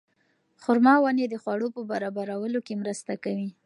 خورما ونې د خواړو په برابرولو کې مرسته کوي.